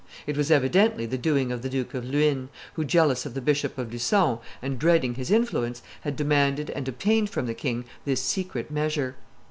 It was evidently the doing of the Duke of Luynes, who, jealous of the Bishop of Lucon and dreading his influence, had demanded and obtained from the king this secret measure.